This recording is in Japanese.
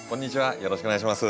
よろしくお願いします。